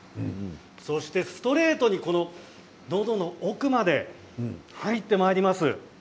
そして、ストレートにのどの奥まで入ってまいります。